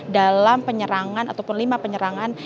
dalam penyerangan ataupun lima penyerangan